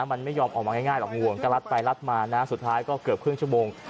มันไม่ยอมออกมาง่ายหรอกห่วงก็ลัดไปรัดมานะสุดท้ายก็เกือบครึ่งชั่วโมง